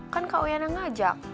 kan kak uyan yang ngajak